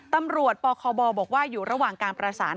ตำรวจปคบบอกว่าอยู่ระหว่างการประสาน